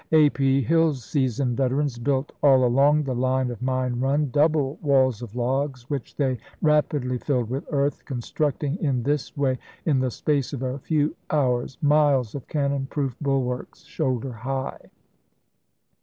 A. P. Hill's seasoned veterans built all along the line of Mine Run double walls of logs, which they rapidly filled with earth, constructing in this way, in the space of a few hours, miles of cannon proof bulwarks shoulder high.